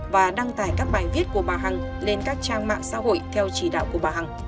và đăng tải các bài viết của bà hằng lên các trang mạng xã hội theo chỉ đạo của bà hằng